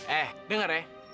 eh denger ya